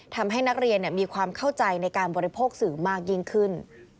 ทำให้นักเรียนมีความเข้าใจในการบริโภคสื่อมากยิ่งขึ้น